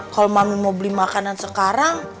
kalau mami mau beli makanan sekarang